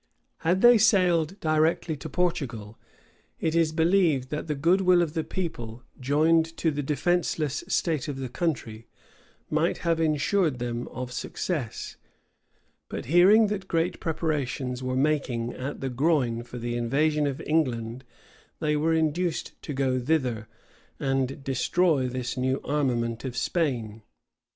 Had they sailed directly to Portugal, it is believed that the good will of the people, joined to the defenceless state of the country, might have insured them of success: but hearing that great preparations were making at the Groine for the invasion of England, they were induced to go thither, and destroy this new armament of Spain.